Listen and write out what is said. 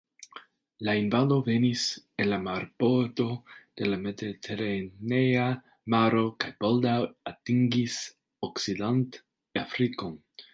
La invado venis el la marbordo de la Mediteranea maro kaj baldaŭ atingis Okcident-Afrikon.